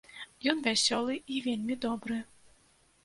Ён вясёлы і вельмі добры.